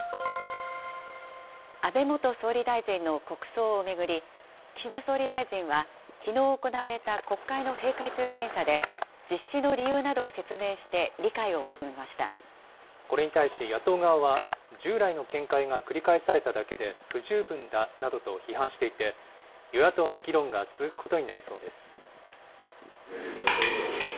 安倍元総理大臣の国葬を巡り、岸田総理大臣は、きのう行われた国会の閉会中審査で、実施の理由などを説明して理これに対し、野党側は従来の見解が繰り返されただけで不十分だなどと批判していて、与野党の議論が続くことになりそうです。